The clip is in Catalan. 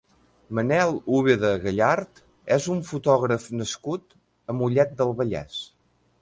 Manel Úbeda Gallart és un fotògraf nascut a Mollet del Vallès.